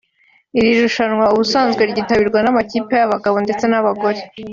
Iri rushanwa ubusanzwe ryitabirwa n’amakipe y’abagabo ndetse n’abagore